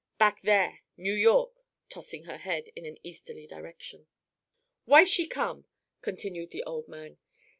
"Back there. New York," tossing her head in an easterly direction. "Why she come?" continued the old man.